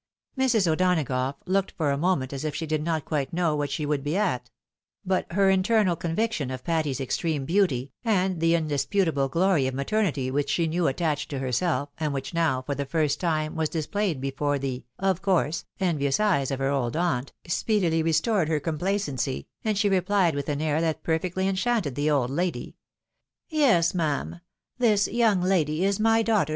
Mrs. O'Donagough looked for a moment as if she did not quite know what she would be at •, but her internal conviction of Patty's extreme beauty, and the indisputable glory of ma ternity which she knew attached to herself, and which now, for the first time, was displayed before the (of course) envious eyes of her old aunt, speedily restored her complacency, and she replied with an air thatperfectly enchanted the old lady, " Yes, ma'am, this young lady is my daughter.